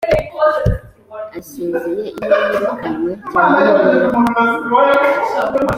asezeye iyo yirukanwe cyangwa iyo umuryango